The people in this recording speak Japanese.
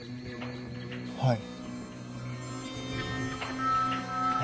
はい。